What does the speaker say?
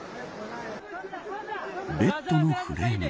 ベッドのフレーム。